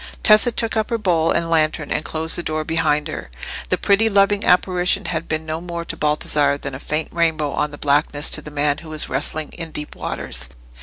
Tessa took up her bowl and lantern, and closed the door behind her. The pretty loving apparition had been no more to Baldassarre than a faint rainbow on the blackness to the man who is wrestling in deep waters.